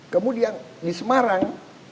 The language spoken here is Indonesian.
kemudian di semarang